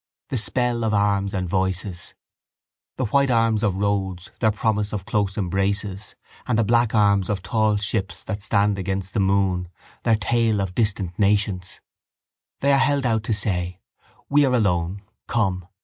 The spell of arms and voices: the white arms of roads, their promise of close embraces and the black arms of tall ships that stand against the moon, their tale of distant nations. They are held out to say: We are alone—come.